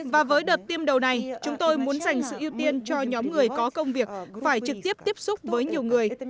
và với đợt tiêm đầu này chúng tôi muốn dành sự ưu tiên cho nhóm người có công việc phải trực tiếp tiếp xúc với nhiều người